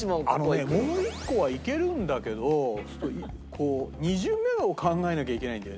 あのねもう１個はいけるんだけどちょっと２巡目を考えなきゃいけないんだよね。